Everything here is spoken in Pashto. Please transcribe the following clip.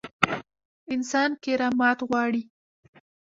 انسان کرامت غواړي